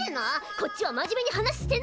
こっちは真面目に話ししてんのに！